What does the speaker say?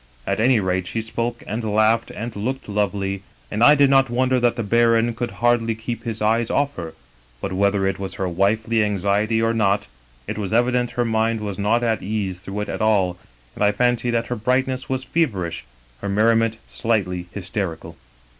" At any rate she spoke and laughed and looked lovely, and I did not wonder that the baron could hardly keep his eyes off her. But whether it was her wifely anxiety or not — it was evident her mind was not at ease through it all, and I fancied that her brightness was feverish, her merriment slightly hysterical.